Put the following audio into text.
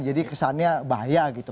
jadi kesannya bahaya gitu